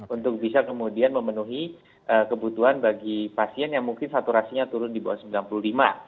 untuk bisa kemudian memenuhi kebutuhan bagi pasien yang mungkin saturasinya turun di bawah sembilan puluh lima